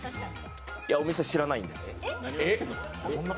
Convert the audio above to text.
いや、お店、知らないんです。